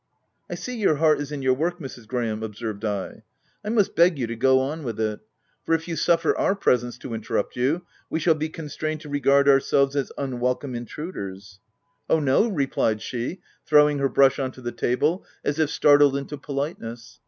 * I see your heart is in your work, Mrs. Gra ham," observed I :" I must beg you to go on with it ; for if you suffer our presence to inter rupt you, we shall be constrained to regard our selves as unwelcome intruders." OF WILDFULL HALL. 85 " Oh, no !" replied she, throwing her brush on to the table, as if startled into politeness.